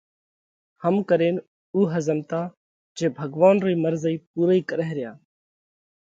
ھم ڪرينَ اُو ۿزمتا جي ڀڳوونَ رئِي مرضئِي پُورئِي ڪرئھ ريا۔